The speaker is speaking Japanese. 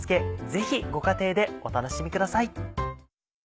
ぜひご家庭でお楽しみください。